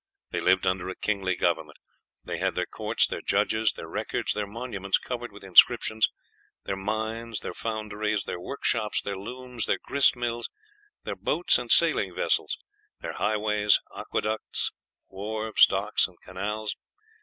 They lived under a kingly government; they had their courts, their judges, their records, their monuments covered with inscriptions, their mines, their founderies, their workshops, their looms, their grist mills, their boats and sailing vessels, their highways, aqueducts, wharves, docks, and canals.